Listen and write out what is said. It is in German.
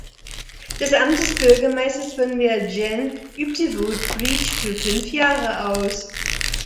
Das Amt des Bürgermeisters von Vergennes übte Woodbridge für fünf Jahre aus.